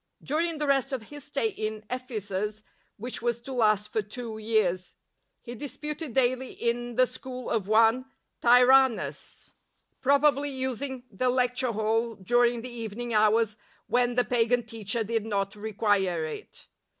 During the rest of his stay in Ephesus, which was to last for two years, he disputed daily in " the school of one Tyrannus," probably using the lecture hall during the evening hours when the pagan teacher did not require it.